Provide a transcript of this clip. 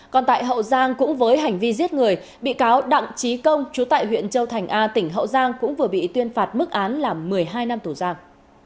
còn tại hậu giang cũng với hành vi giết người bị cáo đặng trí công chú tại huyện châu thành a tỉnh hậu giang cũng vừa bị tuyên phạt mức án là một mươi hai năm tù giam